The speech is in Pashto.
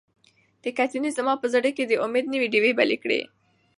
دې کتنې زما په زړه کې د امید نوې ډیوې بلې کړې.